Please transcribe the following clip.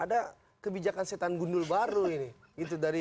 ada kebijakan setan gundul baru ini